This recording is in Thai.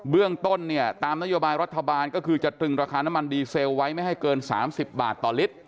เรื่องต้นเนี่ยตามนโยบายรัฐบาลก็คือจะตรึงราคาน้ำมันดีเซลไว้ไม่ให้เกิน๓๐บาทต่อลิตร